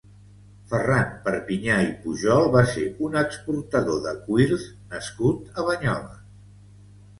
Ferran Perpinyà i Pujol va ser un exportador de cuirs nascut a Banyoles.